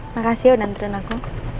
makasih ya udah nonton aku